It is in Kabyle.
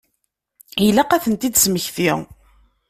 Ilaq ad tent-id-tesmekti.